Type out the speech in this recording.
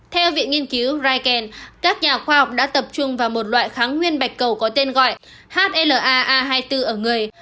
theo viện nghiên cứu drigen các nhà khoa học đã tập trung vào một loại kháng nguyên bạch cầu có tên gọi hlaa a hai mươi bốn ở người